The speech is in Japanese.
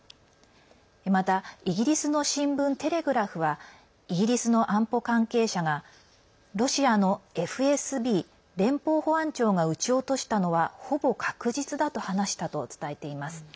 またイギリスの新聞テレグラフはイギリスの安保関係者がロシアのＦＳＢ＝連邦保安庁が撃ち落としたのはほぼ確実だと話したと伝えています。